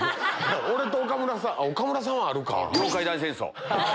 俺と岡村さんあっ岡村さんはあるか。